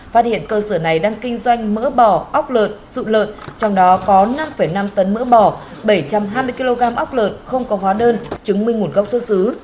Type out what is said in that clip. phát hiện cơ sở này đang kinh doanh mỡ bò ốc lợn dụ lợn trong đó có năm năm tấn mỡ bò bảy trăm hai mươi kg ốc lợn không có hóa đơn chứng minh nguồn gốc xuất xứ